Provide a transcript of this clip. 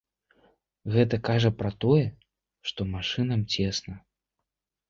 Гэта кажа пра тое, што машынам цесна.